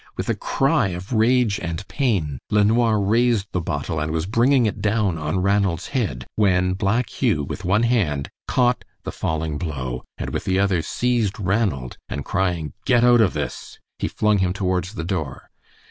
With a cry of rage and pain LeNoir raised the bottle and was bringing it down on Ranald's head, when Black Hugh, with one hand, caught the falling blow, and with the other seized Ranald, and crying, "Get out of this!" he flung him towards the door.